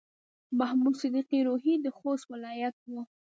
محمد صديق روهي د خوست ولايت و.